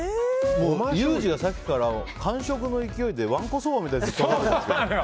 ユージがさっきから完食の勢いでわんこそばみたいにずっと食べてんだよね。